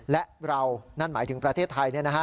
และเรานั่นหมายถึงประเทศไทย